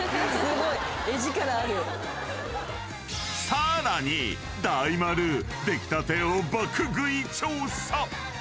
更に、大丸できたてを爆食い調査。